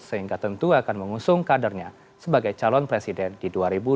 sehingga tentu akan mengusung kadernya sebagai calon presiden di dua ribu dua puluh